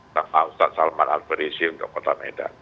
tentang ustaz salman al farisi untuk kota medan